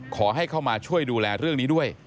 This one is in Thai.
ขอให้เข้ามาช่วยดูแลเรื่องนี้ด้วย